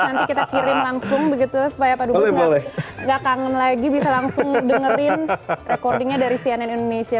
nanti kita kirim langsung begitu supaya pak dubes nggak kangen lagi bisa langsung dengerin recordingnya dari cnn indonesia